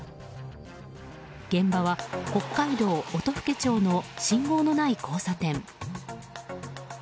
現場は北海道音更町の信号のない交差点。